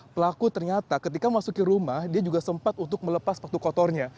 pelaku ternyata ketika masuk ke rumah dia juga sempat untuk melepas waktu kotornya